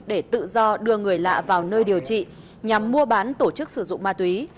để tự do đưa người lạ vào nơi điều trị nhằm mua bán tổ chức sử dụng ma túy